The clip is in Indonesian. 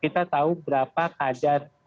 kita tahu berapa kadar